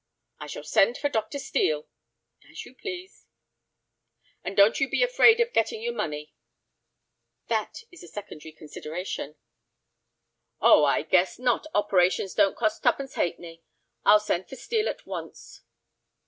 "I shall send for Dr. Steel." "As you please." "And don't you be afraid of getting your money." "That is a secondary consideration." "Oh, I guess not, operations don't cost twopence halfpenny. I'll send for Steel at once."